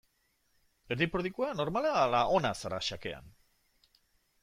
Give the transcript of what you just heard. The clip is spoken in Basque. Erdipurdikoa, normala ala ona zara xakean?